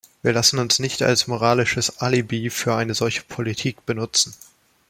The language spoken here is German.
Wir lassen uns nicht als moralisches Alibi für eine solche Politik benutzen.